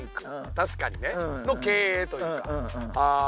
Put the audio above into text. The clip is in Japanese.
確かにねの経営というか。